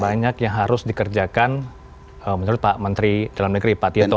banyak yang harus dikerjakan menurut pak menteri dalam negeri pak tito